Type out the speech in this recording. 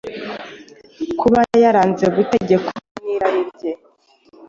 kuba yaranze gutegekwa n’irari rye,